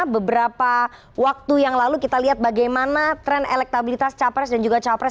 beberapa waktu yang lalu kita lihat bagaimana tren elektabilitas capres dan juga capres